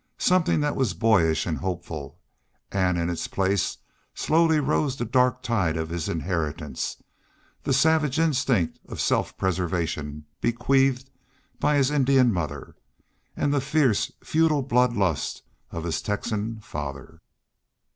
Something that was boyish and hopeful and in its place slowly rose the dark tide of his inheritance, the savage instinct of self preservation bequeathed by his Indian mother, and the fierce, feudal blood lust of his Texan father.